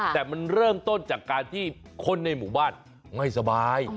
แต่มันเริ่มต้นจากการที่คนในหมู่บ้านไม่สบาย